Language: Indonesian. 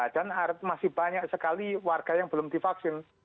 dan masih banyak sekali warga yang belum divaksin